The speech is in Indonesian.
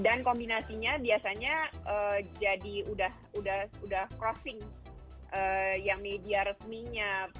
dan kombinasinya biasanya jadi udah crossing yang media resminya